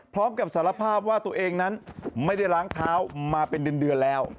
พร้อมกับสารภาพว่าตัวเองนั้นไม่ได้ล้างเท้ามาเป็นเดือนแล้ว